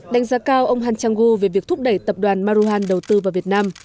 đánh giá cao ông han chang gu về việc thúc đẩy tập đoàn maruhan đầu tư vào việt nam